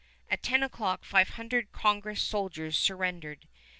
At ten o'clock five hundred Congress soldiers surrendered.